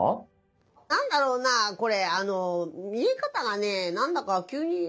何だろうなこれ見え方がね何だか急に。